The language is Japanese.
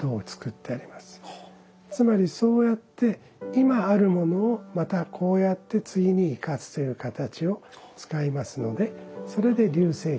つまりそうやって今あるものをまたこうやって次に生かすという形を使いますのでそれで溜精軒を使います。